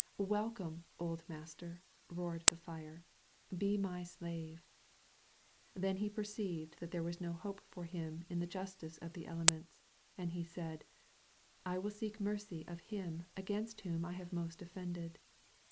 "Welcome, old master!'' roared the Fire. "Be my slave!" Then he percdved that there was no hope for him in the justice of the elements. And he said, "I will seek merpy of Him against whom I have most offended."